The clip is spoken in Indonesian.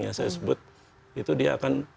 yang saya sebut itu dia akan